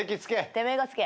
てめえが着け。